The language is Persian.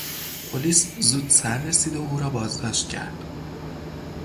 پلیس زود سررسید و او را بازداشت کرد.